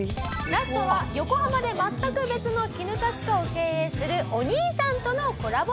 ラストは横浜で全く別のきぬた歯科を経営するお兄さんとのコラボバージョン。